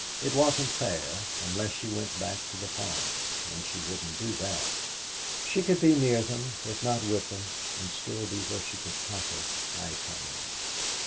It wasn't fair, unless she went back to the farm and she wouldn't do that. She could be near them if not with them, and still be where she could conquer High Town.